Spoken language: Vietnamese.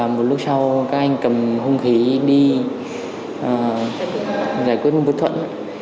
một lúc sau các anh cầm hung khí đi giải quyết vụ vụ thuận